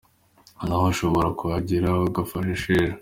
na we ushobora kuhagera ugafasha Sheja.